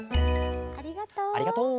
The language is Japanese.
ありがとう！